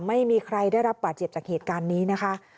ไม่มีใครได้รับบาดเจ็บจากเหตุการณ์นี้นะคะ